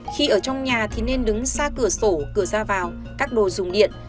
khi ở trong nhà thì nên đứng xa cửa sổ cửa ra vào các đồ dùng điện